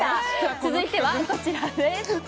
続いてはこちらです